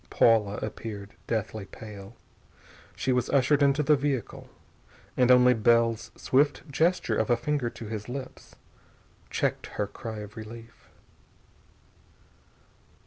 Paula appeared, deathly pale. She was ushered into the vehicle and only Bell's swift gesture of a finger to his lips checked her cry of relief.